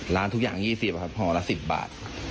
ร้านทุกอย่าง๒๐ครับห่อละ๑๐บาท